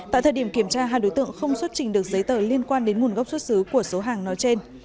tại thời điểm kiểm tra hai đối tượng không xuất trình được giấy tờ liên quan đến nguồn gốc xuất xứ của số hàng nói trên